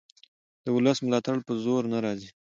د ولس ملاتړ په زور نه راځي